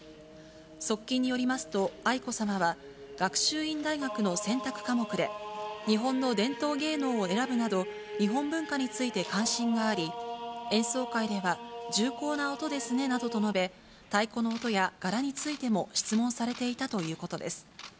側近によりますと、愛子さまは、学習院大学の選択科目で、日本の伝統芸能を選ぶなど、日本文化について関心があり、演奏会では、重厚な音ですねなどと述べ、太鼓の音や柄についても質問されていたということです。